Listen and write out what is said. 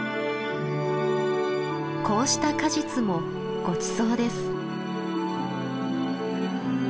こうした果実もごちそうです。